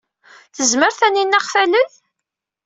Tezmer Taninna ad aɣ-talel?